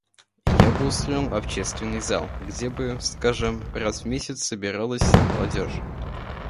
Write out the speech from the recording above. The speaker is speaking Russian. Я бы устроил общественный зал, где бы, скажем, раз в месяц собиралась вся молодежь.